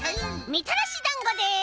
みたらしだんごです。